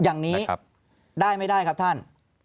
อย่างนี้ได้ไม่ได้ครับท่าน